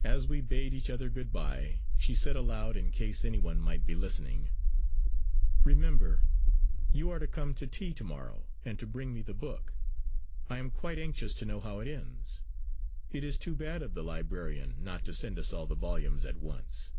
As we bade each other good bye she said aloud in case any one might be listening: "Remember, you are to come to tea to morrow and to bring me the book. I am quite anxious to know how it ends. It is too bad of the librarian not to send us all the volumes at once!"